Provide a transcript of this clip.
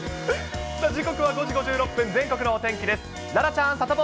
さあ、時刻は５時５６分、全国のお天気です。